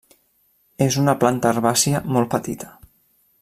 És una planta herbàcia molt petita.